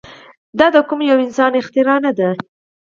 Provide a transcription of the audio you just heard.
دا د کوم يوه انسان اختراع نه ده.